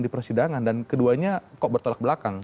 dipersidangan dan keduanya kok bertolak belakang